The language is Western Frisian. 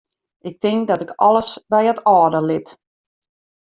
Ik tink dat ik alles by it âlde lit.